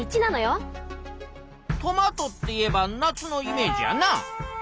トマトっていえば夏のイメージやな。